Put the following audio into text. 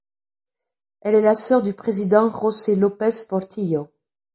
Elle est la sœur du président José López Portillo.